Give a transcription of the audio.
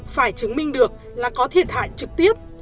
phải chứng minh được là có thiệt hại trực tiếp